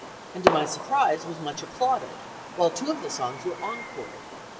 and to my surprise was much applauded, while two of the songs were encored.